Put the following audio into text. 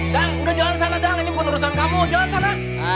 dah udah jalan sana dah ini bukan urusan kamu jalan sana